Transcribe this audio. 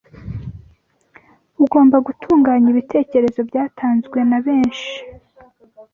Ugomba Gutunganya ibitekerezo byatanzwe nabenshyi